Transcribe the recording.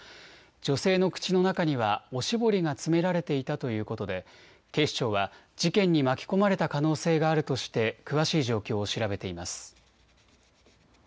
女性の口の中にはおしぼりが詰められていたということで警視庁は事件に巻き込まれた可能性があるとして詳しい状況を調べています。